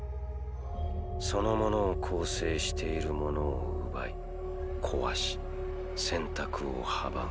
そのものを構成しているものを奪い壊し選択を阻む。